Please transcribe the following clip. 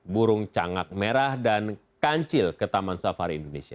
burung cangak merah dan kancil ke taman safari indonesia